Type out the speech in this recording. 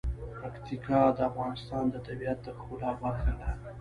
پکتیکا د افغانستان د طبیعت د ښکلا برخه ده.